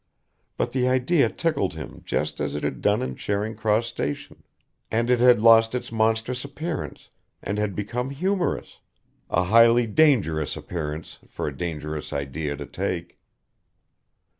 But the idea tickled him just as it had done in Charing Cross Station, and it had lost its monstrous appearance and had become humorous, a highly dangerous appearance for a dangerous idea to take.